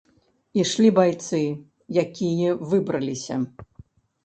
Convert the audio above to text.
Ішлі байцы, якія выбраліся.